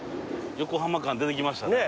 横浜感出てきましたね。